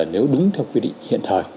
nếu đứng theo quy định hiện thời